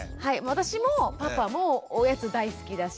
私もパパもおやつ大好きだし。